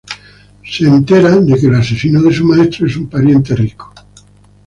Se entera de que el asesino de su maestro es un pariente rico.